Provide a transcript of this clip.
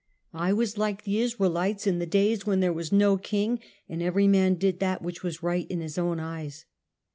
I was like the Israelites in the days when there was no king, and "every man did that which was right in his own eyes."